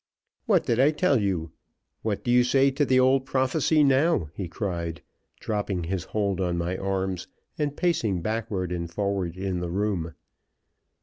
"What did I tell you? What do you say to the old prophecy now?" he cried, dropping his hold on my arms, and pacing backward and forward in the room.